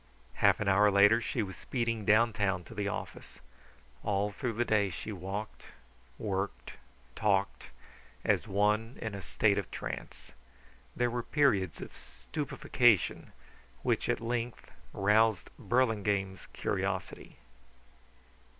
Half an hour later she was speeding downtown to the office. All through the day she walked, worked, talked as one in the state of trance. There were periods of stupefaction which at length roused Burlingame's curiosity.